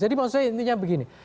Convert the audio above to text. jadi maksud saya intinya begini